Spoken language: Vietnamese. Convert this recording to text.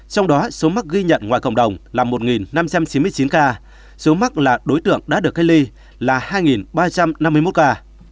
trong đó số mắc ghi nhận ngoài cộng đồng là một năm trăm chín mươi chín ca số mắc là đối tượng đã được cách ly là hai ba trăm năm mươi một ca